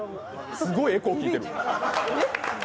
すごいエコーきいてる。